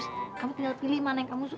sampai jumpa nenek ya